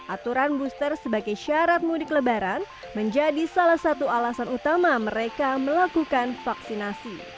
aturan booster sebagai syarat mudik lebaran menjadi salah satu alasan utama mereka melakukan vaksinasi